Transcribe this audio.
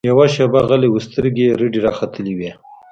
يوه شېبه غلى و سترګې يې رډې راختلې وې.